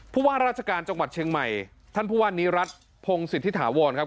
ผู้ว่าราชการจังหวัดเชียงใหม่ท่านผู้ว่านิรัติพงศิษฐิถาวรครับ